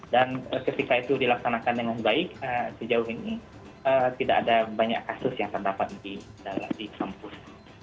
dan ketika itu dilaksanakan dengan baik sejauh ini tidak ada banyak kasus yang terdapat di kampus